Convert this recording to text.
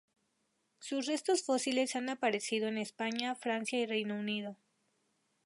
Sus restos fósiles han aparecido en España, Francia y Reino Unido.